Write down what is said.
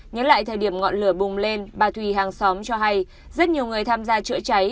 nhớ lại thời điểm ngọn lửa bùng lên bà thùy hàng xóm cho hay rất nhiều người tham gia chữa cháy